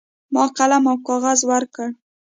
ما قلم او کاغذ ورکړ.